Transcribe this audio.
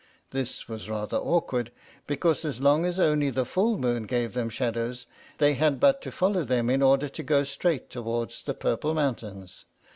This was rather awkward, because as long as only the full moon gave them shadows, they had but to follow them, in order to go straight towards the purple mountains.